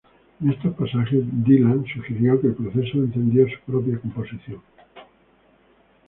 En estos pasajes, Dylan sugirió que el proceso encendió su propia composición.